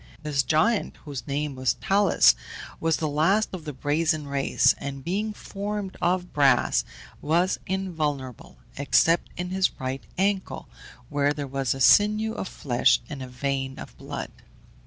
This giant, whose name was Talus, was the last of the Brazen race, and being formed of brass, was invulnerable, except in his right ankle, where there was a sinew of flesh and a vein of blood.